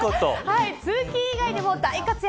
通勤以外でも大活躍